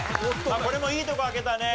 これもいいとこ開けたね。